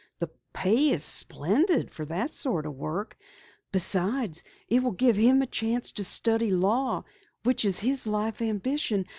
The pay is splendid for that sort of work. Besides, it will give him a chance to study law, which is his life ambition.